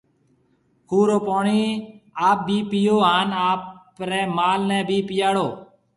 کُوه رو پوڻِي آپ ڀِي پئيو هانَ آپرياَ مال ڀِي پئياڙو۔